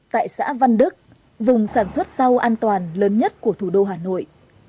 tại xã văn đức vùng sản xuất rau an toàn lớn nhất của thủ đô hà nội